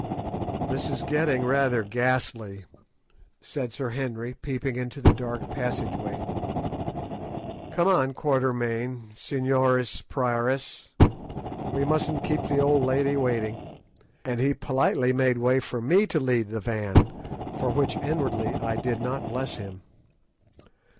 "This is getting rather ghastly," said Sir Henry, peeping into the dark passageway. "Come on, Quatermain—seniores priores. We mustn't keep the old lady waiting!" and he politely made way for me to lead the van, for which inwardly I did not bless him.